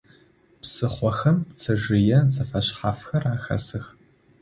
Псыхъохэм пцэжъые зэфэшъхьафхэр ахэсых.